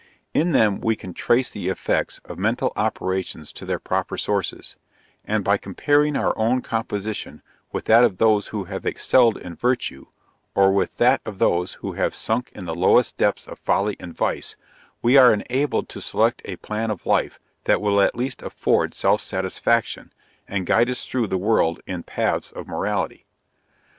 In them we can trace the effects of mental operations to their proper sources; and by comparing our own composition with that of those who have excelled in virtue, or with that of those who have been sunk in the lowest depths of folly and vice, we are enabled to select a plan of life that will at least afford self satisfaction, and guide us through the world in paths of morality.